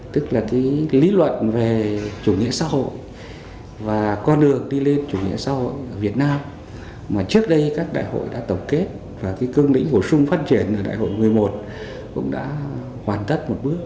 tức là cái lý luận về chủ nghĩa xã hội và con đường đi lên chủ nghĩa xã hội ở việt nam mà trước đây các đại hội đã tổng kết và cái cương lĩnh bổ sung phát triển ở đại hội một mươi một cũng đã hoàn tất một bước